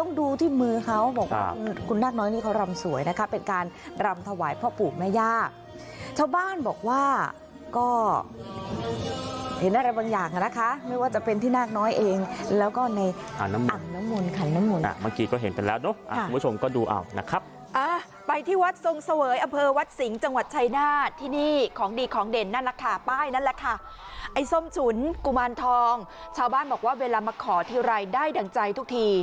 ต้องดูที่มือเขาบอกว่านางน้อยนี่เขารำสวยนะคะเป็นการรำถวายพ่อปู่ไม่ยากชาวบ้านบอกว่าก็เห็นอะไรบางอย่างนะคะไม่ว่าจะเป็นที่นางน้อยเองแล้วก็ในอันนมนค่ะอันนมนบางทีก็เห็นไปแล้วเนอะคุณผู้ชมก็ดูเอานะครับไปที่วัดทรงเสวยอเภอวัดสิงห์จังหวัดชายหน้าที่นี่ของดีของเด่นนั่นแหละค่ะป้ายนั่นแหละค่ะไอ้ส้มฉุนกุ